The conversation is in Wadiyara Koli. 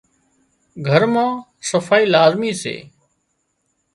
گھر مان صفائي لازمي سي